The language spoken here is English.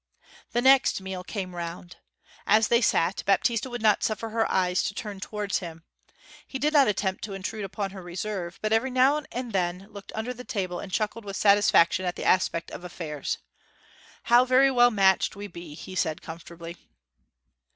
The next meal came round. As they sat, Baptista would not suffer her eyes to turn towards him. He did not attempt to intrude upon her reserve, but every now and then looked under the table and chuckled with satisfaction at the aspect of affairs. 'How very well matched we be!' he said, comfortably.